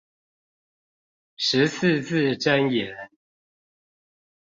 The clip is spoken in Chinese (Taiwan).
十四字真言